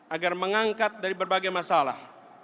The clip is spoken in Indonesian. agar mengangkat dari berbagai masalah